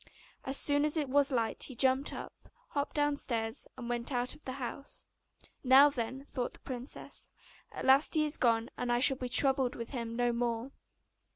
As soon as it was light he jumped up, hopped downstairs, and went out of the house. 'Now, then,' thought the princess, 'at last he is gone, and I shall be troubled with him no more.